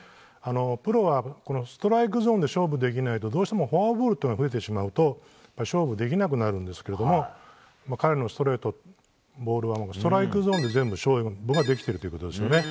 プロはストライクゾーンで勝負できないとどうしてもフォアボールが増えてしまうと勝負できなくなるんですけど彼のストレートボールはストライクゾーンで全部、勝負ができているということですね。